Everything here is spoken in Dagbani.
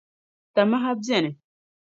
Tamaha beni.